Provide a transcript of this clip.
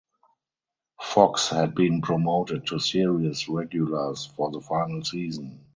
Fox had been promoted to series regulars for the final season.